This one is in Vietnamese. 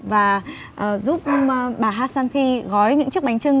và giúp bà ashanti gói những chiếc bánh trưng